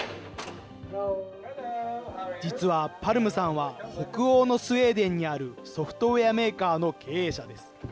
実は、パルムさんは北欧のスウェーデンにあるソフトウエアメーカーの経営者です。